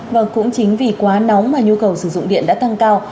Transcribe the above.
và cũng chính vì quá nóng mà nhu cầu sử dụng điện đã tăng cao